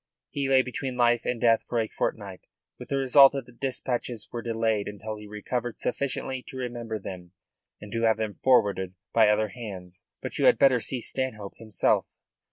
He lay between life and death for a fortnight, with the result that the dispatches were delayed until he recovered sufficiently to remember them and to have them forwarded by other hands. But you had better see Stanhope himself."